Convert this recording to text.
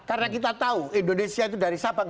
karena kita tahu indonesia itu dari sabang